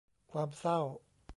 ความเศร้า